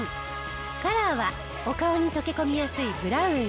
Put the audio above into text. カラーはお顔に溶け込みやすいブラウン。